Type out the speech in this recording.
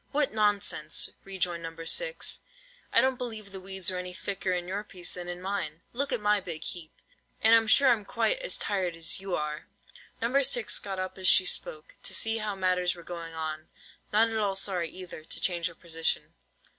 "What nonsense!" rejoined No. 6. "I don't believe the weeds are any thicker in your piece than in mine. Look at my big heap. And I'm sure I'm quite as tired as you are." No. 6 got up as she spoke, to see how matters were going on; not at all sorry either, to change her position.